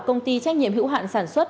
công ty trách nhiệm hữu hạn sản xuất